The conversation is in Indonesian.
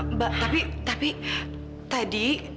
mbak tapi tapi tadi